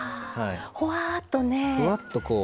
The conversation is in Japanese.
ほわっとね。